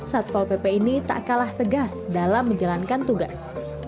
satpol pp ini tak kalah tegas dalam menjalankan tugas